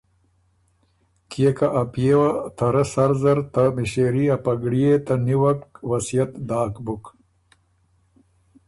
کيې که ا پئے وه ته رۀ سر زر ته مِݭېري ا پګړيې ته نیوک وصئت داک بُک۔